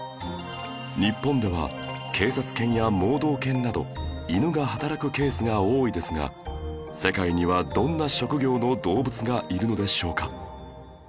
日本では警察犬や盲導犬など犬がはたらくケースが多いですが世界にはどんな職業の動物がいるのでしょうか？